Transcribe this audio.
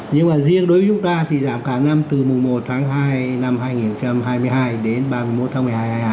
nhưng mà riêng đối với chúng ta thì giảm cả năm từ mùng một tháng hai năm hai nghìn hai mươi hai đến ba mươi một tháng một mươi hai hai